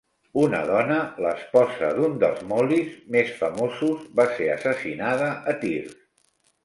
Una dona, l'esposa d'un dels Mollies més famosos, va ser assassinada a tirs.